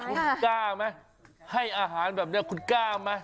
คุณกล้ามั้ยให้อาหารแบบนี้คุณกล้ามั้ย